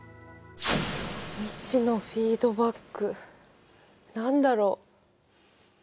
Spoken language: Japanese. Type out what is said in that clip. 未知のフィードバック何だろう？